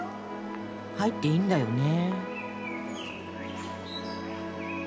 入っていいんだよね？